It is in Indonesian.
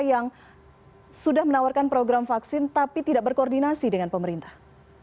yang sudah menawarkan program vaksin tapi tidak berkoordinasi dengan pemerintah